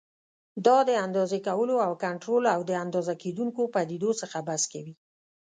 دا د اندازې کولو او کنټرول او د اندازه کېدونکو پدیدو څخه بحث کوي.